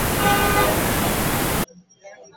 রহমত কাবুলিওয়ালা সম্বন্ধে তিনি সম্পূর্ণ নিঃসংশয় ছিলেন না।